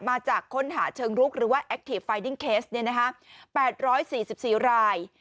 มาจากคนหาเชิงรุกหรือว่าแอคทีฟไฟดิ้งเคสเนี่ยนะคะแปดร้อยสี่สิบสี่ราย